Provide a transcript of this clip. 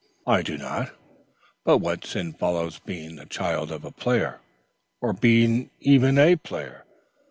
"I do not; but what sin follows being the child of a player, or being even a player?